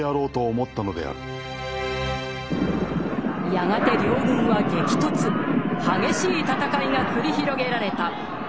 やがて両軍は激突激しい戦いが繰り広げられた。